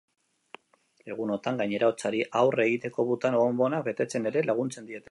Egunotan, gainera, hotzari aurre egiteko butano bonbonak betetzen ere laguntzen diete.